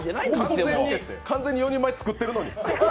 完全に４人前、作ってるのに。